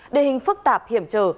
đề hình phức tạp hiểm trở